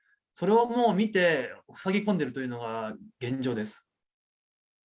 それを見て、ふさぎ込んでいるというのが現状です。